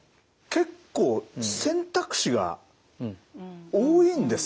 結構選択肢が多いんですね。